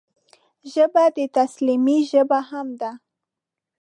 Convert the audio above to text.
ژبه د تسلیمۍ ژبه هم ده